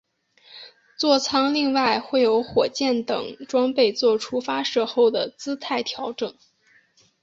坐舱另外会有火箭等装备作出发射后的姿态调整。